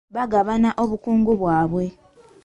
Baagabana obukugu bwabwe.